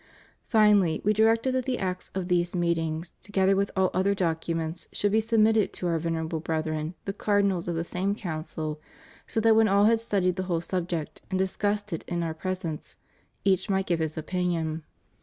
Finally We directed that the acts of these meetings, together with all other documents, should be submitted to Our vener able brethren, the Cardinals of the same Council, so that when all had studied the whole subject, and discussed it in Our presence, each might give his opinion.